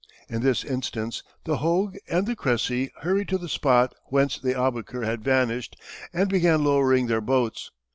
In this instance the Hogue and the Cressy hurried to the spot whence the Aboukir had vanished and began lowering their boats.